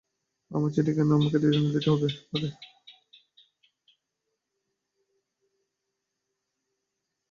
আমার চিঠি কেন আমাকে এনে দিতে পারবে না?